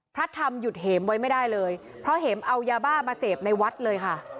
พระธรรมหยุดเหมไว้ไม่ได้เลยเพราะเห็มเอายาบ้ามาเสพในวัดเลยค่ะ